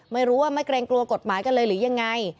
ไม่รู้ว่าไม่เกรงกลัวกฎหมายกันเลยหรือยังไง